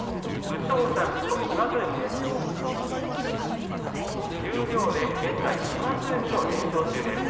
武将山と島津海です。